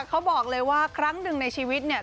เขาบอกเลยว่าครั้งหนึ่งในชีวิตเนี่ย